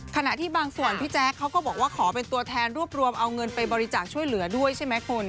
ขณะที่บางส่วนพี่แจ๊คเขาก็บอกว่าขอเป็นตัวแทนรวบรวมเอาเงินไปบริจาคช่วยเหลือด้วยใช่ไหมคุณ